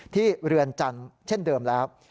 เรือนจันทร์เช่นเดิมแล้ว